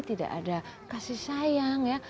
tidak ada kasih sayang ya